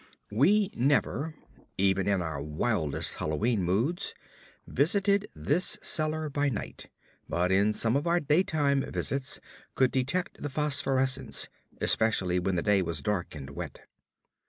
We never even in our wildest Halloween moods visited this cellar by night, but in some of our daytime visits could detect the phosphorescence, especially when the day was dark and wet.